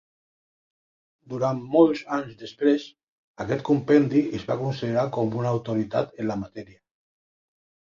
Durant molts anys després, aquest compendi es va considerar com una autoritat en la matèria.